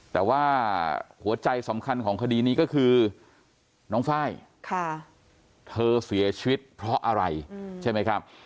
แต่ว่าหัวใจสำคัญของคดีนี้ก็คือน้องไฟล์เธอเสียชีวิตเพราะอะไรใช่ไหมครับ